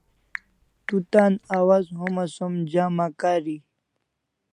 Tu tan awaz homa som jama kari